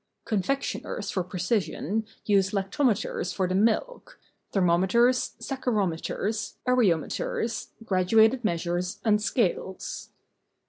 Con¬ fectioners, for precision, use lactometers for the milk, thermometers, saccharometers, areometers, graduated measures and scales.